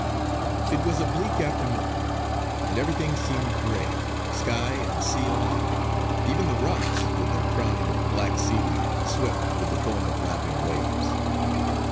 It was a bleak afternoon and everything seemed grey, sky and sea alike; even the rocks, with their crowning of black seaweed swept with the foam of lapping waves.